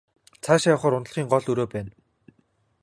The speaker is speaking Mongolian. Цаашаа явахаар унтлагын гол өрөө байна.